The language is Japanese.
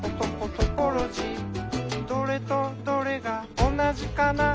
「どれとどれがおなじかな？」